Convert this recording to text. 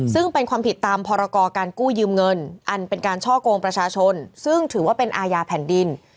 ซึ่งเป็นความผิดตามพรกรการกู้ยืมเงินอันเป็นการช่อกงประชาชนซึ่งถือว่าเป็นอาญาแผ่นดิน